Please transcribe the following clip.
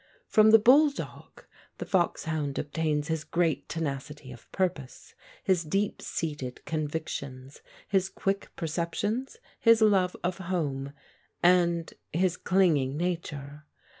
From the bulldog the foxhound obtains his great tenacity of purpose, his deep seated convictions, his quick perceptions, his love of home and his clinging nature.